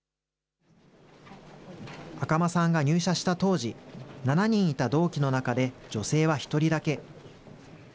赤間さんが入社した当時、７人いた同期の中で、女性は１人だけ。